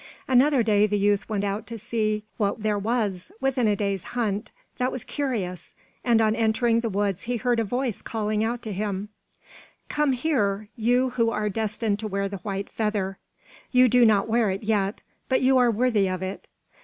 Another day the youth went out to see what there was, within a day's hunt, that was curious; and on entering the woods he heard a voice calling out to him: "Come here, you who are destined to wear the White Feather. You do not wear it, yet, but you are worthy of it.